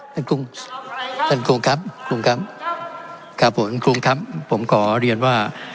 กรุงท่านครูครับคุณครับครับผมครูครับผมขอเรียนว่า